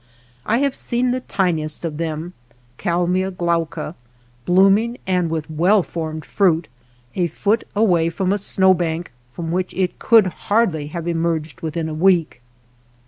I have seen the tiniest of them {Kalmia glaucd) bloom ing, and with well formed fruit, a foot away from a snowbank from which it could hardly have emerged within a week.